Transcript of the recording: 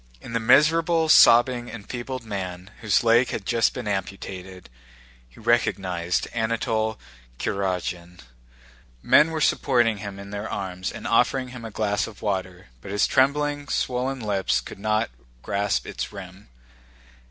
In the miserable, sobbing, enfeebled man whose leg had just been amputated, he recognized Anatole Kurágin. Men were supporting him in their arms and offering him a glass of water, but his trembling, swollen lips could not grasp its rim.